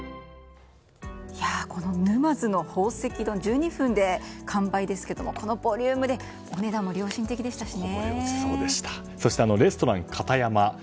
この沼津の宝石丼１２分で完売ですけどこのボリュームでお値段も良心的でしたしね。